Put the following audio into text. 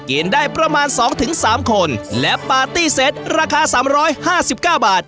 เกณฑ์ได้ประมาณสองถึงสามคนและปาร์ตี้เซ็ตราคาสามร้อยห้าสิบก้าบาท